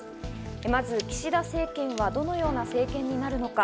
まず岸田政権はどのような政権になるのか。